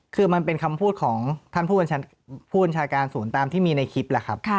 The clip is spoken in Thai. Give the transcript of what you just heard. คือมันเป็นคำพูดของท่านผู้บัญชาการศูนย์ตามที่มีในคลิปแหละครับ